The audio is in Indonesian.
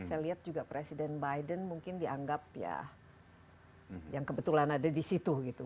saya lihat juga presiden biden mungkin dianggap ya yang kebetulan ada di situ gitu